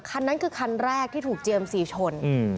คันนั้นคือคันแรกที่ถูกเจมส์สี่ชน